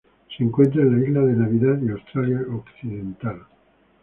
Se encuentra en la Isla de Navidad y Australia Occidental.